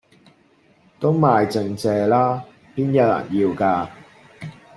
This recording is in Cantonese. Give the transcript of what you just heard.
都賣剩蔗啦！邊有人要架